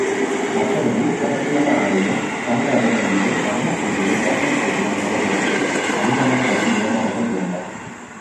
மற்றபடி கவர்ச்சியான ஆடைகள், தங்க அணிகலன்கள், வண்ணப்பூச்சுகள், வாசனைப்பூச்சுகள் முதலியனவற்றை அணியெனக் கருதி ஏமாறுதல் வேண்டா.